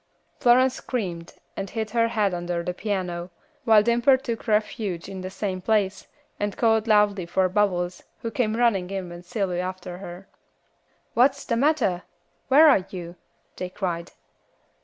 Florence screamed and hid her head under the piano, while Dimple took refuge in the same place, and called loudly for Bubbles, who came running in with Sylvy after her. "What's de matter? Where are yuh?" they cried.